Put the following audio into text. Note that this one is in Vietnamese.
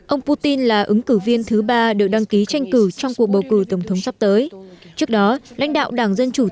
ông putin là ứng cử viên thứ ba